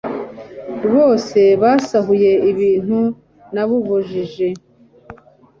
rwose basahuye ibintu nababujije